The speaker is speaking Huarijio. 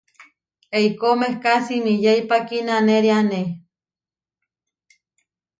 Eikó mehká simiyéipa kinanériane.